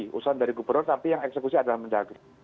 mendagri usaha dari gubernur tapi yang eksekusi adalah mendagri